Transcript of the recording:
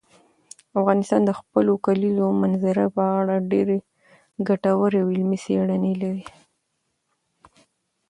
افغانستان د خپلو کلیزو منظره په اړه ډېرې ګټورې او علمي څېړنې لري.